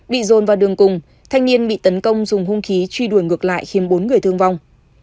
bị dồn vào đường cùng thanh niên bị tấn công dùng hung khí truy đuổi ngược lại khiến bốn người thương vong